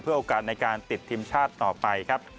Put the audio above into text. โอกาสในการติดทีมชาติต่อไปครับ